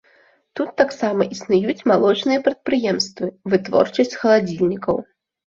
Тут таксама існуюць малочныя прадпрыемствы, вытворчасць халадзільнікаў.